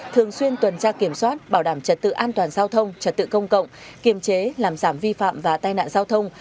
thường xuyên tuần tra kiểm soát bảo đảm trật tự an toàn giao thông trật tự công cộng kiềm chế làm giảm vi phạm và tai nạn giao thông